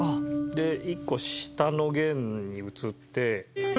で１個下の弦に移って。